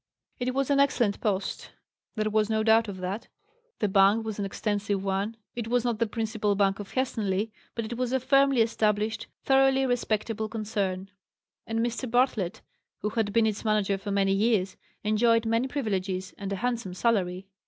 It was an excellent post; there was no doubt of that. The bank was not an extensive one; it was not the principal bank of Helstonleigh; but it was a firmly established, thoroughly respectable concern; and Mr. Bartlett, who had been its manager for many years, enjoyed many privileges, and a handsome salary.